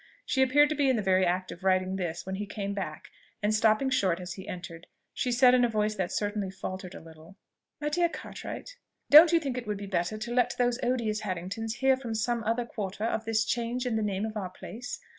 She appeared to be in the very act of writing this when he came back, and stopping short as he entered, she said in a voice that certainly faltered a little, "My dear Cartwright, don't you think it would be better to let those odious Harringtons hear from some other quarter of this change in the name of our place?